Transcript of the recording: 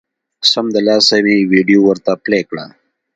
سمدلاسه مې ویډیو ورته پلې کړه